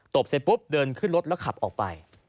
บเสร็จปุ๊บเดินขึ้นรถแล้วขับออกไป